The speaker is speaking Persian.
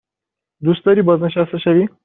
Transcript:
دوست داری بازنشسته شوی؟